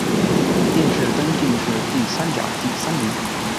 殿试登进士第三甲第三名。